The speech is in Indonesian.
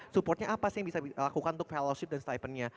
supportnya apa sih yang bisa dilakukan untuk fellowship dan stipendnya